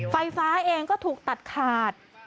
ไฟฟ้าเองก็ถูกตัดขาด